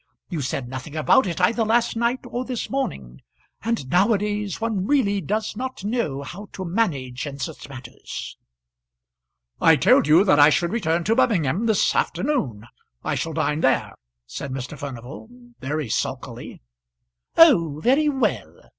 You said nothing about it either last night or this morning; and nowadays one really does not know how to manage in such matters." "I told you that I should return to Birmingham this afternoon; I shall dine there," said Mr. Furnival, very sulkily. "Oh, very well.